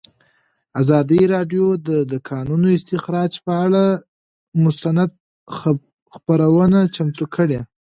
ازادي راډیو د د کانونو استخراج پر اړه مستند خپرونه چمتو کړې.